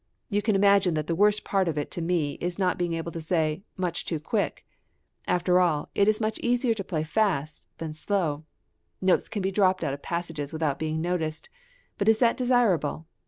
You can imagine that the worst part of it to me is not being able to say: Much too quick. After all, it is much easier to play fast than slow; notes can be dropped out of passages without being noticed; but is that desirable?